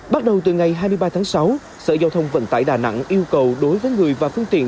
bắt đầu từ ngày hai mươi ba tháng sáu sở giao thông vận tải đà nẵng yêu cầu đối với người và phương tiện